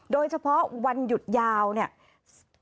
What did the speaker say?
โดยเฉพาะวันหยุดยาวเนี่ย